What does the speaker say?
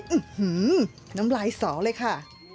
อื้อหือน้ำลายสองเลยค่ะ